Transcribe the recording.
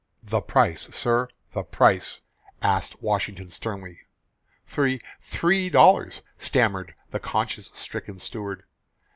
"The price, sir, the price?" asked Washington sternly. "Three three dollars," stammered the conscience stricken steward.